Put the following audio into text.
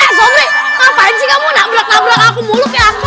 ah sombri ngapain sih kamu nabrak nabrak aku mulut ya